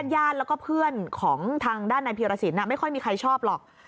ญาติแล้วก็เพื่อนของทางด้านนายพีรสินไม่ค่อยมีใครชอบหรอก